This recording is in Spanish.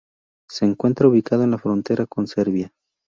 Se encuentra ubicado en la frontera con Serbia.